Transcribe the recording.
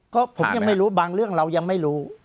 ก็ผมยังไม่รู้บางเรื่องเรายังไม่รู้